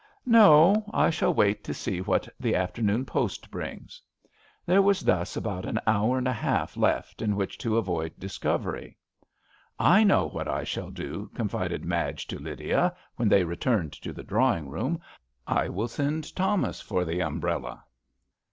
" No ; I shall wait to see what the afternoon post brings." There was thus about one hour and a half left in which to avoid discovery. "I know what I shall do," confided Madge to Lydia, when they returned to the drawing room —'* I will send Thomas for the umbrella."